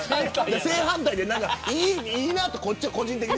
正反対っていいなとこっちは個人的に。